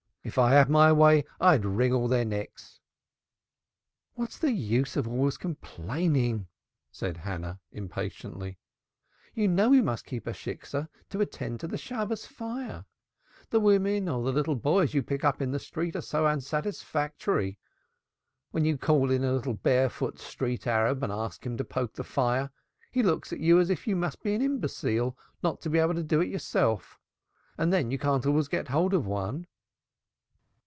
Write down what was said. If I had my way I'd wring all their necks." "What's the use of always complaining?" said Hannah, impatiently. "You know we must keep a Shiksah to attend to the Shabbos fire. The women or the little boys you pick up in the street are so unsatisfactory. When you call in a little barefoot street Arab and ask him to poke the fire, he looks at you as if you must be an imbecile not to be able to do it yourself. And then you can't always get hold of one."